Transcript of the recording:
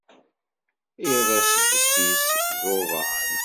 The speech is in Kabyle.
Iḍ asget-is d uḍan.